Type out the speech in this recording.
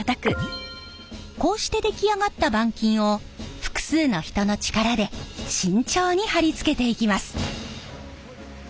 こうして出来上がった板金を複数の人の力で慎重に貼り付けていきます。